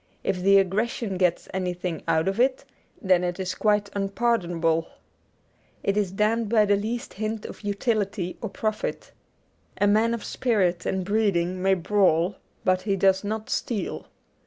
If the aggression gets anything out of it, then it is quite unpardonable. It is damned by the least hint of utility or profit. A man of spirit and breeding may brawl, but he does not steal.